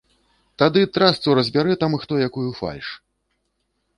Тады трасцу разбярэ там хто якую фальш.